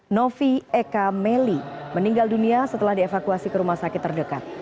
novi eka meli meninggal dunia setelah dievakuasi ke rumah sakit terdekat